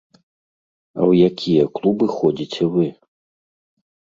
А ў якія клубы ходзіце вы?